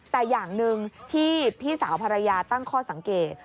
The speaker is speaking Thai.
แต่อย่างหนึ่งที่พี่สาวภรรยาตั้งข้อสังเกต